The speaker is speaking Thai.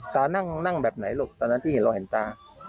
ตานั่งแบบไหนลูกตอนนั้นที่เห็นเราเห็นตา